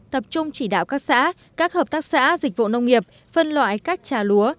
tập trung chỉ đạo các xã các hợp tác xã dịch vụ nông nghiệp phân loại các trà lúa